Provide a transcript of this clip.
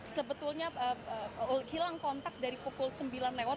sebetulnya hilang kontak dari pukul sembilan lewat